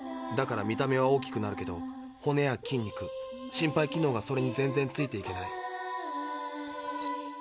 だから見た目は大きくなるけど骨や筋肉心肺機能がそれに全然ついていけない。